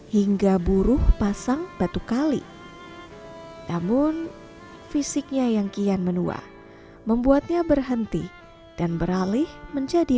hingga buruh pasang batu kali namun fisiknya yang kian menua membuatnya berhenti dan beralih menjadi